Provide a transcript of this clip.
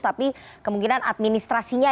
tapi kemungkinan administrasinya